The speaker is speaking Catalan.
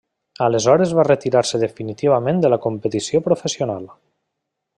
Aleshores va retirar-se definitivament de la competició professional.